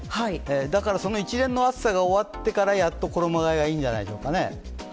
だからその一連の暑さが終わってから、やっと衣がえがいいんじゃないでしょうかね。